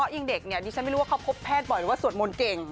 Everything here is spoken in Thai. อย่างเด็กเนี่ยดิฉันไม่รู้ว่าเขาพบแพทย์บ่อยหรือว่าสวดมนต์เก่ง